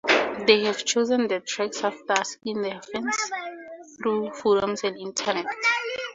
They have chosen the tracks after asking their Fans through forums and internet.